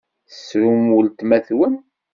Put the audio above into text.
Tessrum weltma-twen!